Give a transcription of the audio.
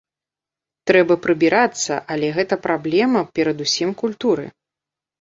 Трэба прыбірацца, але гэта праблема перадусім культуры.